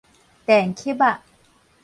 電吸仔